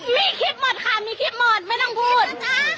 มีคลิปหมดค่ะมีคลิปหมดไม่ต้องพูด